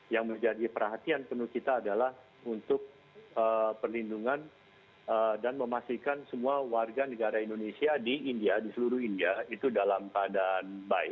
yang menjadi perhatian penuh kita adalah untuk perlindungan dan memastikan semua warga negara indonesia di india di seluruh india itu dalam keadaan baik